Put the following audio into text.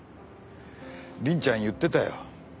凛ちゃん言ってたよ。